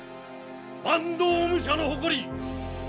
坂東武者の誇り